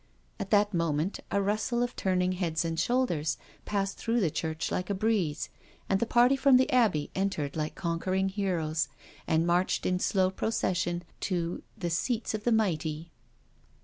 At that moment a rustle of turning heads and shoul ders passed through the church like a breeze, and the party from the Abbey entered like conquering heroes, and marched in slow procession to the seats of the mighty."